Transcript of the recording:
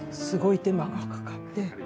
すごい手間がかかって。